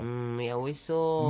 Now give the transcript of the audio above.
おいしそう。